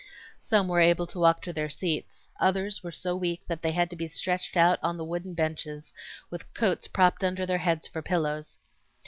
Some were able to walk to their seats; others were so weak that they had to be stretched out 6n the wooden benches with coats propped under their heads for pillows.